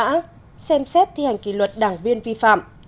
mã xem xét thi hành kỳ luật đảng viên vi phạm